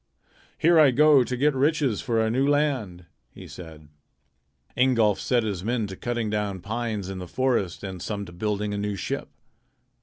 "Here I go to get riches for our new land," he said. Ingolf set his men to cutting down pines in the forest and some to building a new ship.